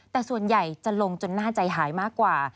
แต่ส่วนใหญ่จะลงจนน่าใจหายมากกว่า